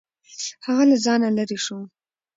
هغه له ځانه لرې شو.